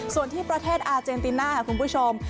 ส่วนที่ประเทศอาเจนติน่าค่ะคุณผู้ชม